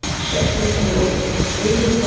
Shetland wool. Needles No.